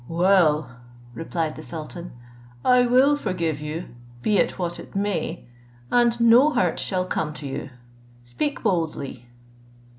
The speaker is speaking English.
"Well," replied the sultan, "I will forgive you, be it what it may, and no hurt shall come to you: speak boldly."